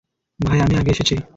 ভাই আমি আগে এসেছি।